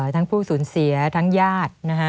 ทั้งผู้สูญเสียทั้งญาติ